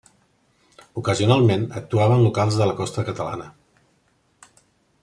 Ocasionalment, actuava en locals de la costa catalana.